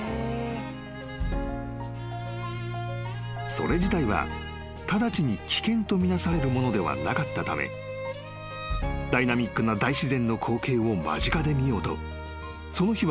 ［それ自体は直ちに危険と見なされるものではなかったためダイナミックな大自然の光景を間近で見ようとその日は］